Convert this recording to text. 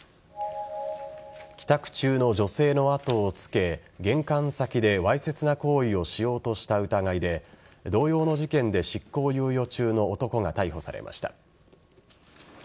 帰宅中の女性の後をつけ玄関先でわいせつな行為をしようとした疑いで同様の事件で執行猶予中の男が逮捕されました。